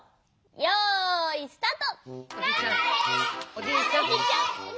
よいスタート！